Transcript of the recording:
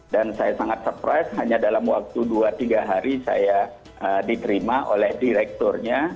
dan saya sangat surprise hanya dalam waktu dua tiga hari saya diterima oleh direkturnya